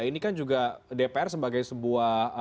ini kan juga dpr sebagai sebuah